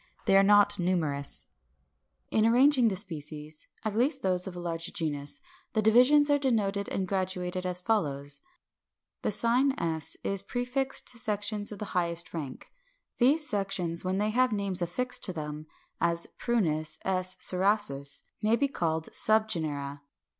They are not numerous. 577. In arranging the species, at least those of a large genus, the divisions are denoted and graduated as follows: The sign § is prefixed to sections of the highest rank: these sections when they have names affixed to them (as Prunus § Cerasus) may be called subgenera.